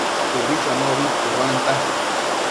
Ubi chonobi puduanta